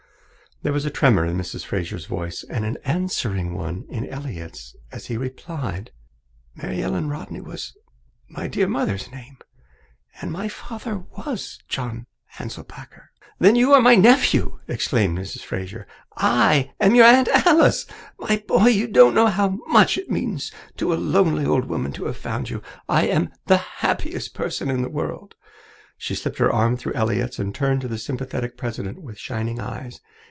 There was a tremour in Mrs. Fraser's voice and an answering one in Elliott's as he replied: "Mary Helen Rodney was my dear mother's name, and my father was John Hanselpakker." "Then you are my nephew," exclaimed Mrs. Fraser. "I am your Aunt Alice. My boy, you don't know how much it means to a lonely old woman to have found you. I'm the happiest person in the world!" She slipped her arm through Elliott's and turned to the sympathetic president with shining eyes.